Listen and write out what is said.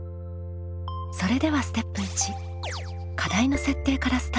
それではステップ１課題の設定からスタート。